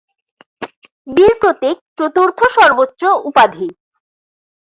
বীর প্রতীক চতুর্থ সর্বোচ্চ উপাধি।